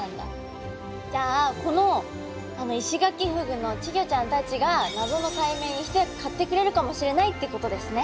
じゃあこのイシガキフグの稚魚ちゃんたちが謎の解明に一役かってくれるかもしれないってことですね。